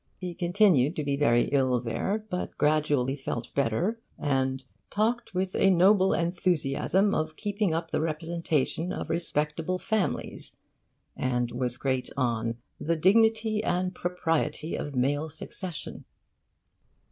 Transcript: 'He continued to be very ill' there, but gradually felt better, and 'talked with a noble enthusiasm of keeping up the representation of respectable families,' and was great on 'the dignity and propriety of male succession.